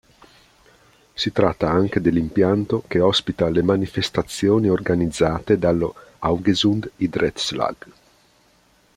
Si tratta anche dell'impianto che ospita le manifestazioni organizzate dallo Haugesund Idrettslag.